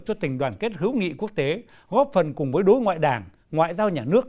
cho tình đoàn kết hữu nghị quốc tế góp phần cùng với đối ngoại đảng ngoại giao nhà nước